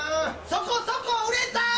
そこそこ売れたい！